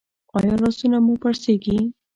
ایا لاسونه مو پړسیږي؟